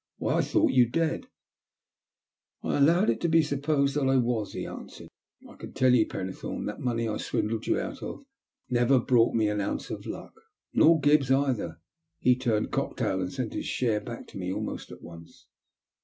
"Why, I thought you dead !"" I allowed it to be supposed that I was," he answered. " I can tell you, Fennethome, that money I swindled you out of never brought me an ounce of luck — nor Gibbs either. He turned cocktail and sent his share back to me almost at once.